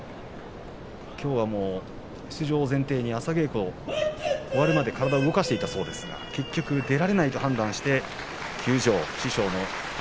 きょうは出場を前提に朝稽古が終わるまで体を動かしていたんですが結局、出られないということで休場しました。